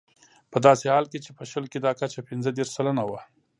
په داسې حال کې چې په شل کې دا کچه پنځه دېرش سلنه وه.